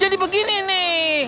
jadi begini nih